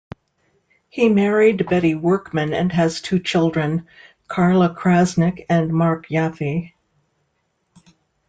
He married Betty Workman and has two children: Carla Krasnick, and Mark Yaffe.